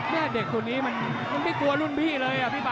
แม่เด็กคนนี้มันไม่กลัวรุ่นพี่เลยอ่ะพี่ป่า